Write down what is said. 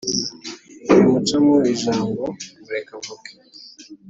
wimuca mu ijambo mureke avuge,